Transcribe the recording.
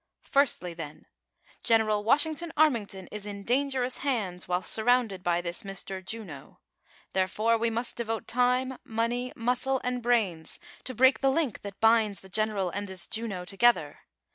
'■'■ Firstly, then. General "Washington Armington is in dangerous hands, whilst surrounded by this Mr. Juno ; therefore we must devote time, money, muscle and brains to break the link that binds the general and this Juno to gether.